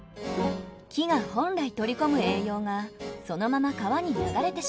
木が本来取り込む栄養がそのまま川に流れてしまいます。